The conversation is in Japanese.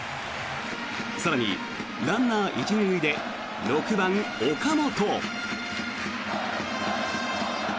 更に、ランナー１・２塁で６番、岡本。